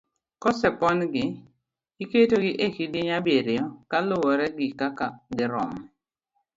Kose pon gi, iketo gi e kidieny abiriyo kaluwore gi kaka girom.